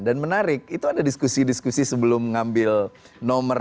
dan menarik itu ada diskusi diskusi sebelum mengambil nomor